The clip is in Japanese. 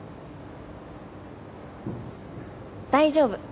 大丈夫。